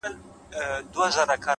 دا څه ليونى دی بيـا يـې وويـل ـ